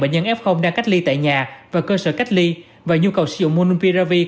năm mươi năm bệnh nhân f đang cách ly tại nhà và cơ sở cách ly và nhu cầu sử dụng monulpiravir